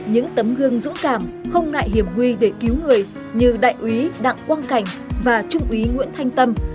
những tấm gương dũng cảm không ngại hiểm huy để cứu người như đại úy đặng quang cảnh và trung úy nguyễn thanh tâm